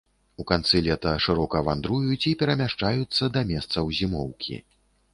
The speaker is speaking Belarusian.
У канцы лета шырока вандруюць і перамяшчаюцца да месцаў зімоўкі.